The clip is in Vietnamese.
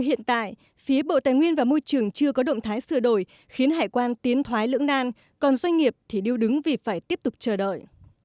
hiện tại phía bộ tài nguyên và môi trường chưa có động thái sửa đổi khiến hải quan tiến thoái lưỡng nan còn doanh nghiệp thì điêu đứng vì phải tiếp tục chờ đợi